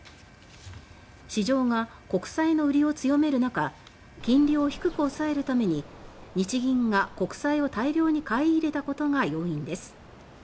市場が国債の売りを強めるなか金利を低く抑えるために日銀が国債を大量に買い入れたことが要因です。